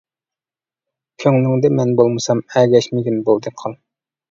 كۆڭلۈڭدە مەن بولمىسام، ئەگەشمىگىن بولدى قال.